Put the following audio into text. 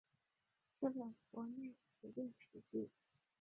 日本国内指定史迹。